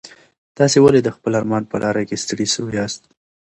تاسي ولي د خپل ارمان په لاره کي ستړي سواست؟